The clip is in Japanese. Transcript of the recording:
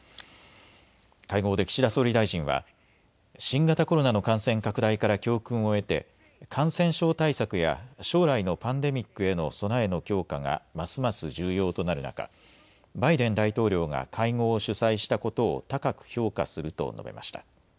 会合で岸田総理大臣は新型コロナの感染拡大から教訓を得て感染症対策や将来のパンデミックへの備えの強化がますます重要となる中、バイデン大統領が会合を主催したことを高く評価すると述べました。